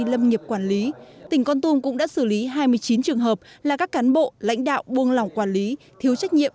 lâm nghiệp quản lý tỉnh con tum cũng đã xử lý hai mươi chín trường hợp là các cán bộ lãnh đạo buông lòng quản lý thiếu trách nhiệm